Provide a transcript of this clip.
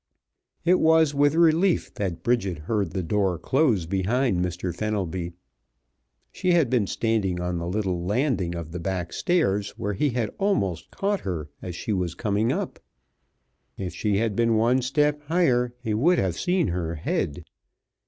It was with relief that Bridget heard the door close behind Mr. Fenelby. She had been standing on the little landing of the back stairs, where he had almost caught her as she was coming up. If she had been one step higher he would have seen her head.